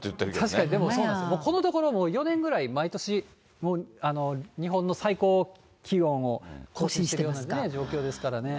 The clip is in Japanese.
確かに、でもそうなんです、このところ毎年、日本の最高気温を更新してるような状況ですからね。